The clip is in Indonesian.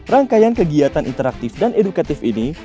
rangkaian kegiatan interaktif dan edukatif ini